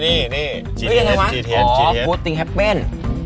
อีกยังไงวะโหโคติงฮัปเป้น